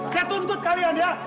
saya tuntut kalian ya